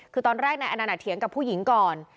คือตอนแรกนายอนันทเถียงกับผู้หญิงก่อน